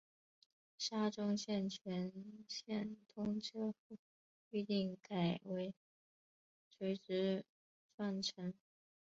沙中线全线通车后预定改为垂直转乘。